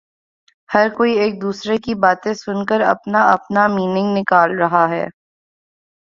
ہر کوئی ایک دوسرے کی باتیں سن کر اپنا اپنا مینینگ نکال رہا ہے